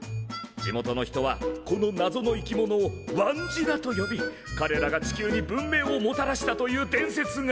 地元の人はこのなぞの生き物をワンジナと呼びかれらが地球に文明をもたらしたという伝説がある。